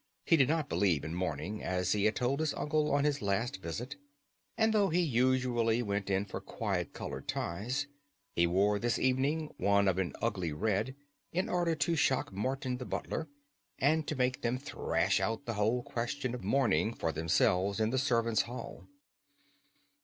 He did not believe in mourning, as he had told his uncle on his last visit; and though he usually went in for quiet colored ties, he wore this evening one of an ugly red, in order to shock Morton the butler, and to make them thrash out the whole question of mourning for themselves in the servants' hall.